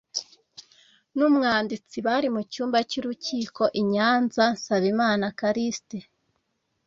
n’umwanditsi bari mu cyumba cy’urukiko i Nyanza, Nsabimana Callixte